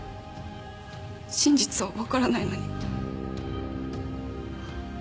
真実は分からないのに。